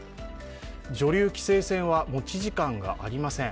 女流棋聖戦は持ち時間がありません。